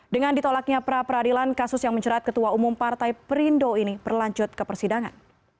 dengan ditolaknya pra peradilan kasus yang mencerat ketua umum partai perindo ini berlanjut ke persidangan